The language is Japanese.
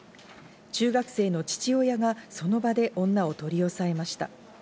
中学生の父親がその場で女を取り押さえました。